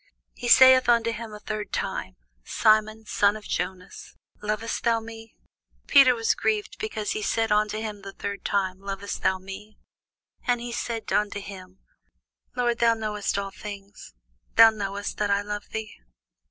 He saith unto him the third time, Simon, son of Jonas, lovest thou me? Peter was grieved because he said unto him the third time, Lovest thou me? And he said unto him, Lord, thou knowest all things; thou knowest that I love thee.